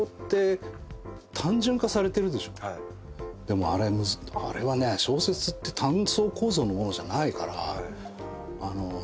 でもあれはね小説って単層構造のものじゃないからあの。